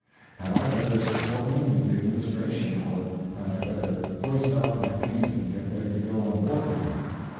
Had I better support him with the Administration, or had I better hoist out my paint and get ready to go on the warpath?